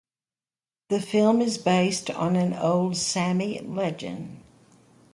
The film is based on an old Sami legend.